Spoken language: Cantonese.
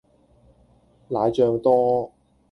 奶醬多